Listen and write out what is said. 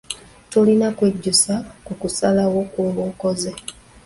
Tolina kwejjusa ku kusalawo kw'oba okoze.